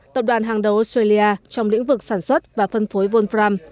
tập đoàn hàng đầu australia trong lĩnh vực sản xuất và phân phối von fram